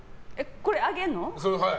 これも上げるの？